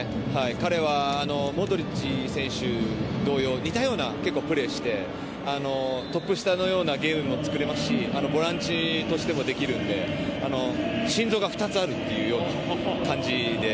彼はモドリッチ選手同様似たようなプレーをしてトップ下のようなゲームも作れますしボランチとしてもできるので心臓が２つあるというような感じで。